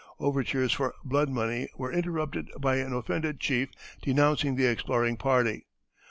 Overtures for "blood money" were interrupted by an offended chief denouncing the exploring party.